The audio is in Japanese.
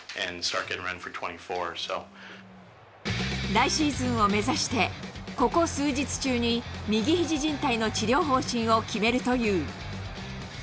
来シーズンを目指して、ここ数日中に右ひじじん帯の治療方針を決めるという。